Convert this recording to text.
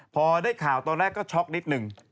พอได้ข่าวตอนแรกก็ช็อกนิดหนึ่ง